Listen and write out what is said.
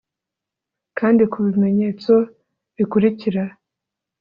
kandi ku bimenyetso bikurikira